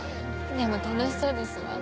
でも楽しそうですわ。